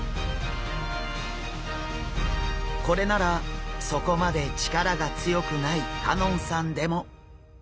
これならそこまで力が強くない香音さんでも。